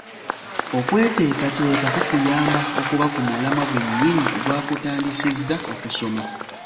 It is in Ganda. Okweteekateeka kukuyamba okuba ku mulamwa gwennyini ogwakutandisizza okusoma.